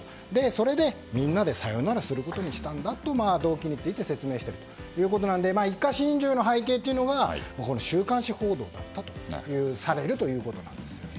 それで、みんなでさよならすることにしたんだと動機について説明しているので一家心中の背景というのはこれ、週刊誌報道だったということなんです。